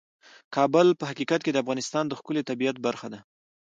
کابل په حقیقت کې د افغانستان د ښکلي طبیعت برخه ده.